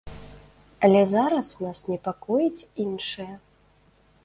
Але зараз нас непакоіць іншае.